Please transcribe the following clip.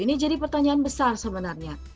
ini jadi pertanyaan besar sebenarnya